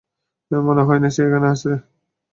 মনে হয় না সে এখানে আছে।